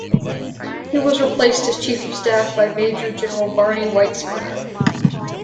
He was replaced as Chief of Staff by Major General Barney White-Spunner.